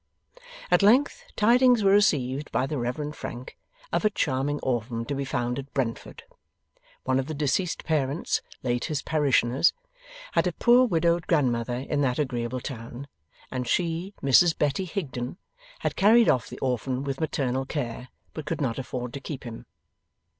At length, tidings were received by the Reverend Frank of a charming orphan to be found at Brentford. One of the deceased parents (late his parishioners) had a poor widowed grandmother in that agreeable town, and she, Mrs Betty Higden, had carried off the orphan with maternal care, but could not afford to keep him.